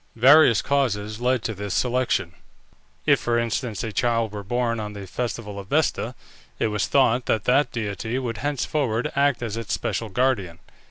Various causes led to this selection. If, for instance, a child were born on the festival of Vesta, it was thought that that deity would henceforward act as its special guardian.